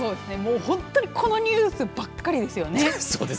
本当にこのニュースばっかりですよね。